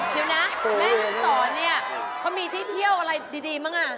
เดี๋ยวนะแม่ห้องศรเนี่ยเขามีที่เที่ยวอะไรดีมั้งอ่ะ